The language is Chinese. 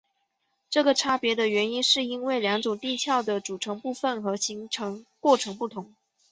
这个差别的原因是因为两种地壳的组成部分和形成过程不同。